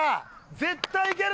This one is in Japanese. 絶対いける！